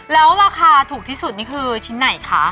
แล้วราคาถูกที่สุดนี่คือชิ้นไหนคะ